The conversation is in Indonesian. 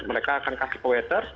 mereka akan kasih ke waiter